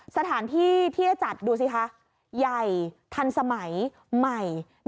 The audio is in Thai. สถานที่ที่จะจัดดูสิคะใหญ่ทันสมัยใหม่